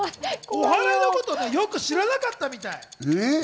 お祓いのことをよく知らなかったみたい。